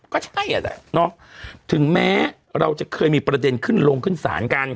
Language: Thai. ก็ใช่อ่ะแหละเนาะถึงแม้เราจะเคยมีประเด็นขึ้นลงขึ้นศาลกัน